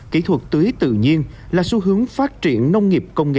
kỹ thuật tưới tự nhiên là xu hướng phát triển